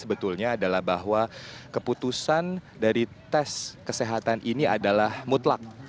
sebetulnya adalah bahwa keputusan dari tes kesehatan ini adalah mutlak